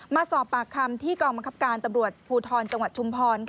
มาสอบปากคำที่กองบังคับการตำรวจภูทรจังหวัดชุมพร